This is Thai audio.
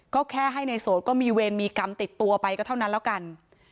ก็แค่ให้ในโสดก็มีเวรมีกรรมติดตัวไปก็เท่านั้นแล้วกัน